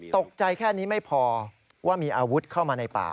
แค่นี้ไม่พอว่ามีอาวุธเข้ามาในป่า